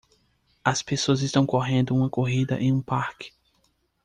As pessoas estão correndo uma corrida em um parque.